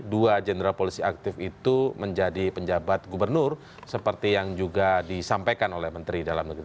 dua jenderal polisi aktif itu menjadi penjabat gubernur seperti yang juga disampaikan oleh menteri dalam negeri